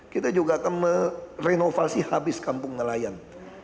kita juga akan merenovasi habis kampung nelayan